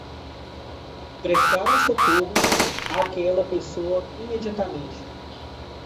Prestaram socorro àquela pessoa imediatamente.